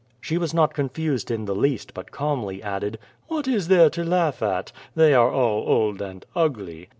She was not confused in the least, but calmly added: "What is there to laugh at? They are all old and ugly.